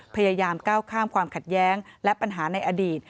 พยายามก้าวข้ามความขัดแย้งและปัญหาในอดีต